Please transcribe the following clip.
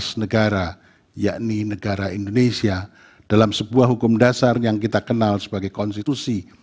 sebelas negara yakni negara indonesia dalam sebuah hukum dasar yang kita kenal sebagai konstitusi